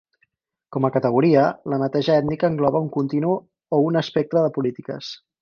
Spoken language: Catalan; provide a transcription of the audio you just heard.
Com a categoria, la neteja ètnica engloba un continu o un espectre de polítiques.